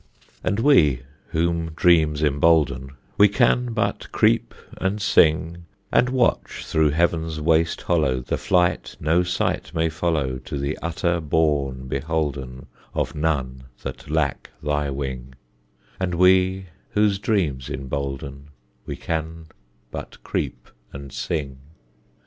And we, whom dreams embolden, We can but creep and sing And watch through heaven's waste hollow The flight no sight may follow To the utter bourne beholden Of none that lack thy wing: And we, whom dreams embolden, We can but creep and sing.